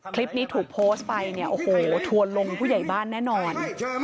คลิปนี้ถูกโพสต์ไปเนี่ยโอ้โหทัวร์ลงผู้ใหญ่บ้านแน่นอน